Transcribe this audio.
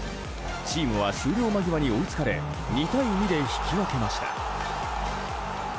チームは終了間際に追いつかれ２対２で引き分けました。